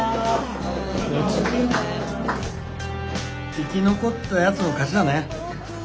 生き残ったやつの勝ちだね。